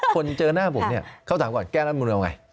คนเจอหน้าผมเนี่ยเขาถามก่อนแก้รัฐมนุนเอาไง